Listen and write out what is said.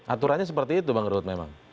aturannya seperti itu pak arhut memang